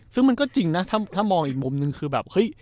ซึ่งมันก็จริงนะถ้ามองอีกมุมนึงคือแบบเฮ้ย